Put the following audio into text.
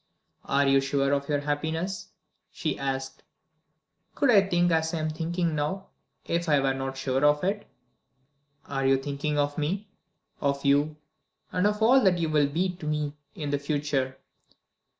"Are you sure of your happiness?" she asked. "Could I think as I am thinking now, if I were not sure of it?" "Are you thinking of me?" "Of you and of all that you will be to me in the future.